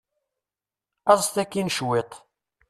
Aẓet akkin cwiṭ.